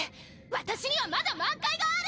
私にはまだ満開がある！